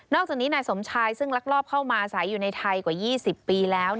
จากนี้นายสมชายซึ่งลักลอบเข้ามาใส่อยู่ในไทยกว่า๒๐ปีแล้ว